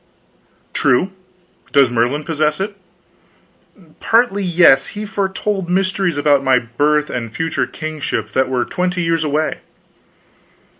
"True. Does Merlin possess it?" "Partly, yes. He foretold mysteries about my birth and future kingship that were twenty years away."